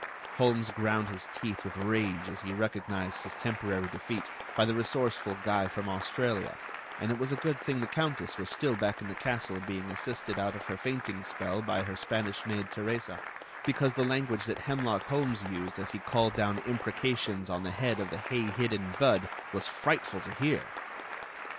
Holmes ground his teeth with rage as he recognized his temporary defeat by the resourceful guy from Australia, and it was a good thing the Countess was still back in the castle being assisted out of her fainting spell by her Spanish maid Teresa, because the language that Hemlock Holmes used as he called down imprecations on the head of the hay hidden Budd was frightful to hear!